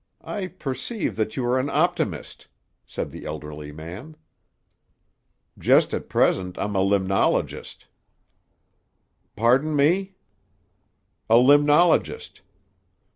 I perceive that you are an optimist," said the elderly man. "Just at present I'm a limnologist." "Pardon me?" "A limnologist.